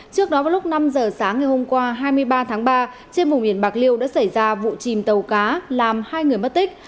trước đó vào lúc năm giờ sáng ngày hôm qua hai mươi ba tháng ba trên vùng biển bạc liêu đã xảy ra vụ chìm tàu cá làm hai người mất tích